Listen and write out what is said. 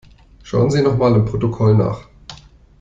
Schauen Sie noch mal im Protokoll nach.